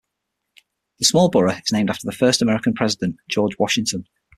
The small borough is named after the first American president, George Washington.